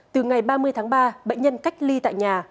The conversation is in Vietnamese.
từ ngày ba mươi tháng ba bệnh nhân cách ly tại nhà